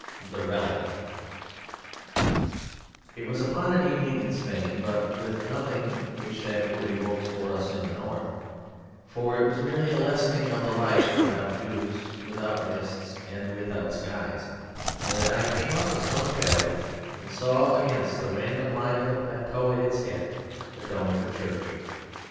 THE RELIC It was upon an evening in Spain, but with nothing which that word evokes for us in the North for it was merely a lessening of the light without dews, without mists, and without skies that I came up a stony valley and saw against the random line of the plateau at its head the dome of a church.